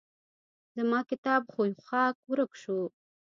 زما کتاب ښوی ښهاک ورک شو.